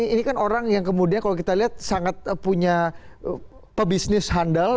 ini kan orang yang kemudian kalau kita lihat sangat punya pebisnis handal